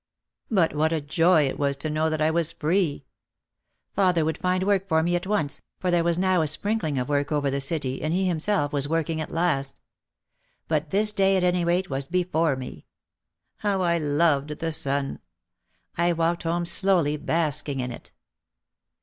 But what a joy it was to know that I was free ! Father would find work for me at once, for there was now a sprinkling of work over the city and he him self was working at last. But this day at any rate was before me. How I loved the sun ! I walked home slow ly, basking in it.